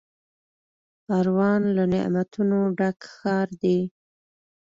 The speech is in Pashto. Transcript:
پروان له نعمتونو ډک ښار دی.